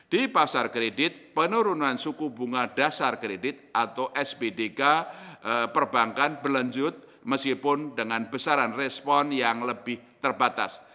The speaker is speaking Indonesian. di pasar kredit penurunan suku bunga dasar kredit atau spdk perbankan berlanjut meskipun dengan besaran respon yang lebih terbatas